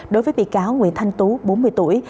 đối với bị cáo nguyễn thanh tú bốn mươi tuổi